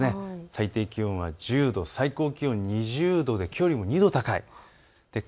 最低気温が１０度、最高気温が２０度できょうより２度高いです。